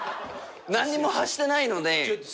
何にも発してないので。